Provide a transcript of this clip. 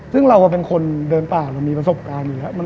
ซึ่งเราเป็นคนเดินป่าเรามีประสบการณ์อยู่แล้ว